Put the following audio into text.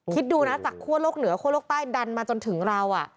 คิดดูนะจากคั่วโลกเหนือคั่วโลกใต้ดันมาจนถึงเรา